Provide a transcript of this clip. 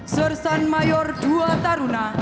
sersan mayor ii taruna